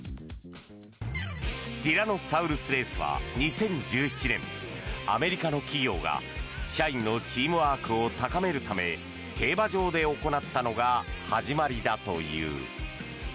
ティラノサウルスレースは２０１７年アメリカの企業が社員のチームワークを高めるため競馬場で行ったのが始まりだという。